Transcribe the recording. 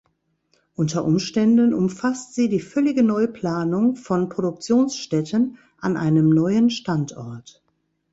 Unter Umständen umfasst sie die völlige Neuplanung von Produktionsstätten an einem neuen Standort.